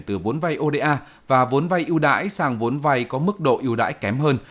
từ vốn vay oda và vốn vay yêu đáy sang vốn vay có mức độ yêu đáy kém hơn